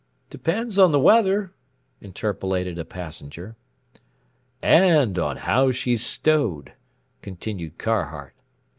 "Depends on the weather," interpolated a passenger. "And on how she's stowed," continued Car hart.